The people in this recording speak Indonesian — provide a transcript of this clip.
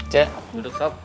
c duduk sok